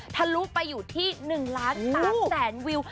ทะลุไปอยู่ที่๑ล้าน๓แสนวิว